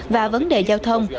và vấn đề giao thông